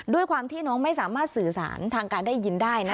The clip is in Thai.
ด้วยความที่น้องไม่สามารถสื่อสารทางการได้ยินได้นะ